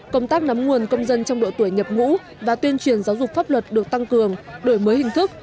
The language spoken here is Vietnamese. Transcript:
công tác nắm nguồn công dân trong độ tuổi nhập ngũ và tuyên truyền giáo dục pháp luật được tăng cường đổi mới hình thức